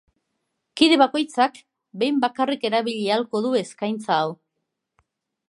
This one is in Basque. Kide bakoitzak behin bakarrik erabili ahalko du eskaintza hau.